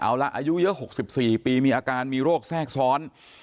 เอาละอายุเยอะ๖๔ปีมีอาการมีโรคแทรกซ้อน